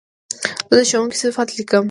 زه د ښوونکي صفت لیکم.